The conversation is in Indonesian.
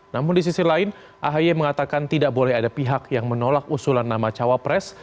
namun di sisi lain ahy mengatakan tidak boleh ada pihak yang menolak usulan nama cawapres